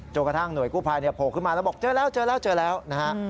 จนกระทั่งหน่วยกู้ภัยโผล่ขึ้นมาแล้วบอกเจอแล้วนะฮะ